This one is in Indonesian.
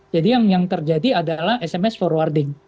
jadi yang terjadi adalah sms forwarding